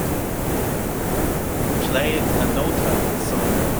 Play a Nóta song